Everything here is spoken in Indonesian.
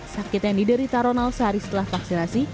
sakit yang diderita ronald sehari setelah vaksinasi